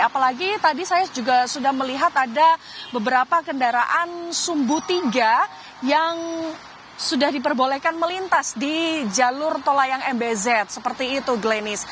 apalagi tadi saya juga sudah melihat ada beberapa kendaraan